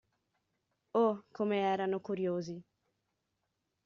Oh, come erano curiosi!